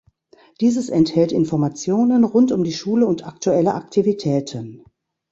Dieses enthält Informationen rund um die Schule und aktuelle Aktivitäten.